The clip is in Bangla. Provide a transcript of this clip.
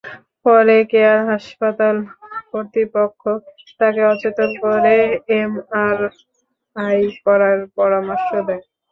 পরে কেয়ার হাসপাতাল কর্তৃপক্ষ তাকে অচেতন করে এমআরআই করার পরামর্শ দেয়।